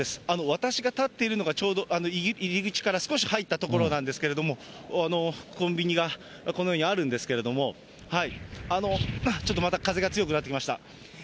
私が立っているのがちょうど入り口から少し入った所なんですけれども、コンビニがこのようにあるんですけれども、ちょっとまた風が強くなってきました。